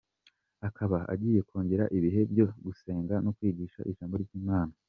Akaba agiye kongera ibihe byo gusenga no kwigisha ijambo ry’Imana .